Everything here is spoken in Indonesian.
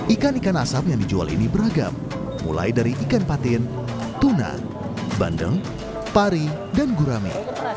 ikan ikan asap yang dijual ini beragam mulai dari ikan patin tuna bandeng pari dan gurame